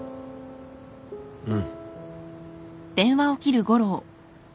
うん。